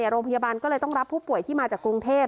โรงพยาบาลก็เลยต้องรับผู้ป่วยที่มาจากกรุงเทพ